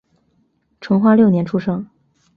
成化六年出生。